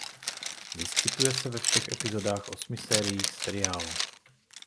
Vyskytuje se ve všech epizodách osmi sériích seriálu.